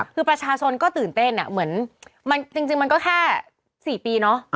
คือประชาชนก็เต้นเหมือนมันก็แค่๔ปีเนอะ